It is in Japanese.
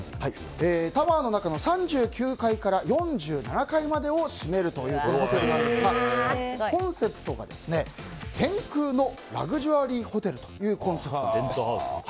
タワーの中の３９階から４７階までを占めるというホテルなんですがコンセプトが天空のラグジュアリーホテルということです。